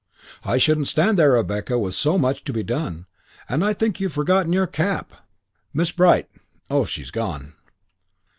I shouldn't stand there, Rebecca, with so much to be done; and I think you've forgotten your cap. Miss Bright, oh, she's gone."